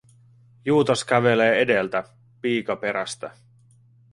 Juutas kävelee edeltä, piika perästä.